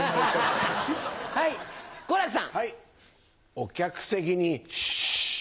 お客席にシュ。